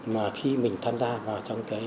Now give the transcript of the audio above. mà khi mình tham gia vào